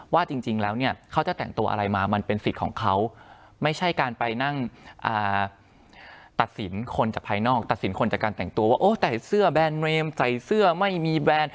ว่าจริงแล้วเนี่ยเขาจะแต่งตัวอะไรมามันเป็นสิทธิ์ของเขาไม่ใช่การไปนั่งตัดสินคนจากภายนอกตัดสินคนจากการแต่งตัวว่าโอ้ใส่เสื้อแบรนดเรมใส่เสื้อไม่มีแบรนด์